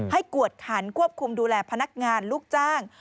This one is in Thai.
กวดขันควบคุมดูแลพนักงานลูกจ้าง